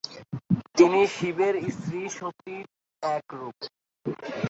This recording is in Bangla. তিনি শিবের স্ত্রী সতীর এক রূপ।